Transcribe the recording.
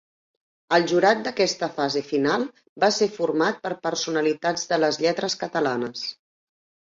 El jurat d'aquesta fase final va ser format per personalitats de les lletres catalanes.